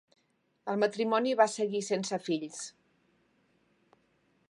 El matrimoni va seguir sense fills.